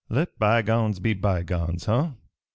"Let bygones be bygones, huh?